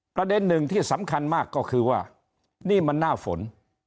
ประเด็นหนึ่งที่สำคัญมากก็คือว่านี่มันหน้าฝน